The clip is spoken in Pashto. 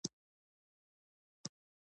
برېټانوي واکمنان دغو غوښتنو ته تسلیم شول.